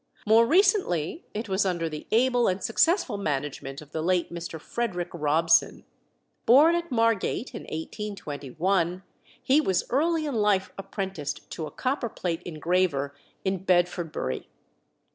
More recently it was under the able and successful management of the late Mr. Frederick Robson. Born at Margate in 1821, he was early in life apprenticed to a copperplate engraver in Bedfordbury.